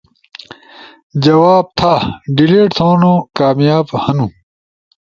جواب تھا ڈیلیٹ تھونو کامیاب ہنو